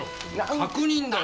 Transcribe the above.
確認だよ！！